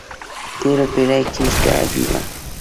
تېرو پېړیو کې اجتهادي وه.